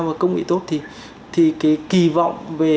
và công nghệ tốt thì kỳ vọng về